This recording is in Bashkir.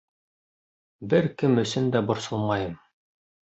Бер кем өсөн дә борсолмайым.